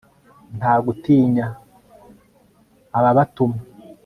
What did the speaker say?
nta gutinya ababatuma